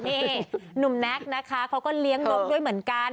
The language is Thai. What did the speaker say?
นี่หนุ่มแน็กนะคะเขาก็เลี้ยงนกด้วยเหมือนกัน